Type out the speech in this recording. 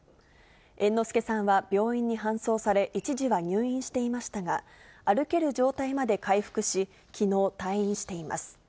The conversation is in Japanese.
猿之助さんは病院に搬送され、一時は入院していましたが、歩ける状態まで回復し、きのう退院しています。